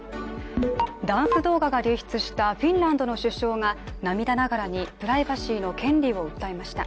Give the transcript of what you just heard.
ダンス動画が流出したフィンランドの首相が涙ながらにプライバシーの権利を訴えました。